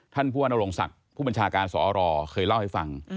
ท่านผู้ว่านโรงศักดิ์ผู้บัญชาการสอรเคยเล่าให้ฟัง